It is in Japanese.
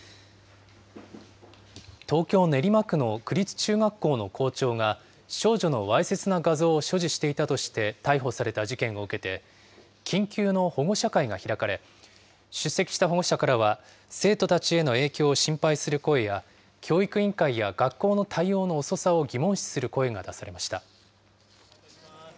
東京・練馬区の区立中学校の校長が、少女のわいせつな画像を所持していたとして逮捕された事件を受けて、緊急の保護者会が開かれ、出席した保護者からは、生徒たちへの影響を心配する声や、教育委員会や学校の対応の遅さを疑問視する声が出されました。